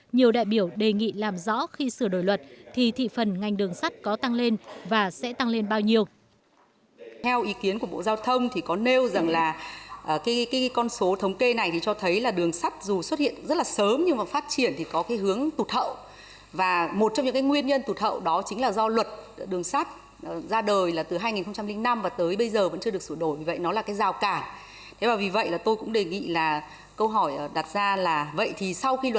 nhiều đại biểu đề nghị làm rõ khi sửa đổi luật thì thị phần ngành đường sắt có tăng lên và sẽ tăng lên bao nhiêu